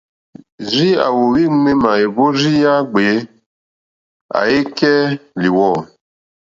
Rzii a wowi ŋmana èhvrozi ya gbèe, a e kɛ liwɔ̀,.